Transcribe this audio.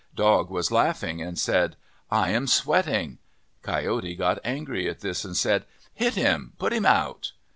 Dog was laughing and said, " I am sweating." Coyote got angry at this and said, "Hit him! Put him out!"